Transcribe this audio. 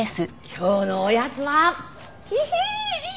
今日のおやつはヒヒン！